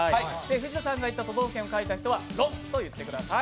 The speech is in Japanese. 藤田さんが書いた都道府県を書いた人は「ロン！」と言ってください。